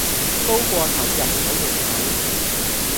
高過頭入唔到門口